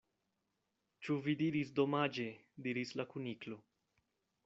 "Ĉu vi diris 'Domaĝe'?" diris la Kuniklo.